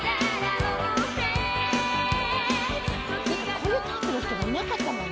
こんなタイプの人がいなかったもんね。